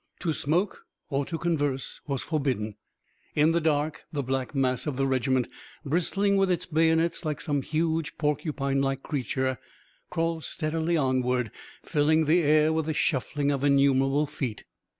To smoke or to converse was forbidden. In the dark, the black mass of the regiment, bristling with its bayonets like some huge, porcupine like creature, crawled steadily onward, filling the air with the shuffling of innumerable feet.